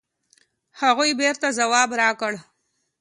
هغوی بېرته ځواب راکړ.